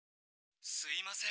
「すいません。